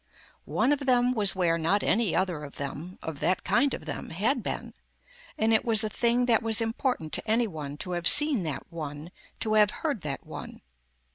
One of them was where not any other of them, of that kind of them, had been, and it was a thing that was important to any one to have seen that one, to have heard that one.